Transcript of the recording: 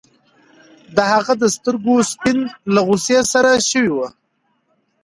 د هغه د سترګو سپین له غوسې سره شوي وو.